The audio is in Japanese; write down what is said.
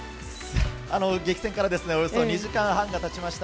激戦からおよそ２時間半が経ちました